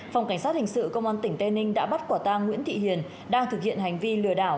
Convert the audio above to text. phòng cảnh sát hình sự công an tỉnh tây ninh đã bắt quả tang nguyễn thị hiền đang thực hiện hành vi lừa đảo